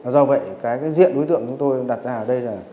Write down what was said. do vậy cái diện đối tượng chúng tôi đặt ra ở đây là